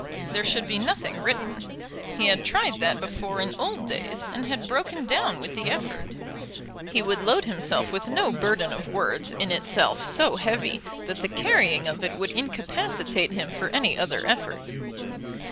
There should be nothing written; he had tried that before in old days, and had broken down with the effort. He would load himself with no burden of words in itself so heavy that the carrying of it would incapacitate him for any other effort.